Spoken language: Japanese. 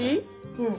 うん。